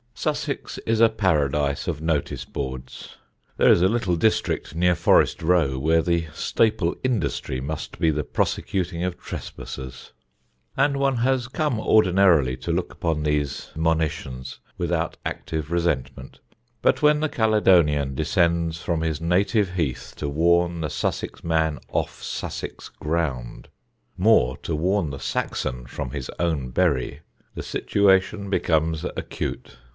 Sussex is a paradise of notice boards (there is a little district near Forest Row where the staple industry must be the prosecuting of trespassers), and one has come ordinarily to look upon these monitions without active resentment; but when the Caledonian descends from his native heath to warn the Sussex man off Sussex ground more, to warn the Saxon from his own bury the situation becomes acute.